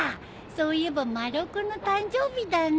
そういえば丸尾君の誕生日だね。